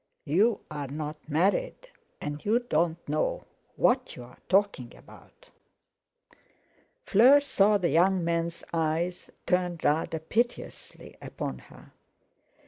"You're not married, and you don't know what you're talking about." Fleur saw the young man's eyes turn rather piteously upon her.